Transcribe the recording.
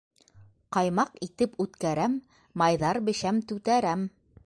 Ҡаймаҡ итеп үткәрәм, Майҙар бешәм түтәрәм